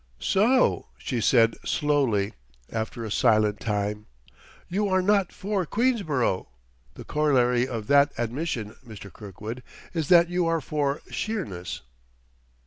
"So," she said slowly, after a silent time, "you are not for Queensborough! The corollary of that admission, Mr. Kirkwood, is that you are for Sheerness."